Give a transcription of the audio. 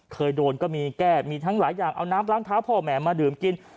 เคยโดนก็มีแก้มีทั้งหลายอย่างเอาน้ำล้างเท้าพ่อแม่มาดื่มกิน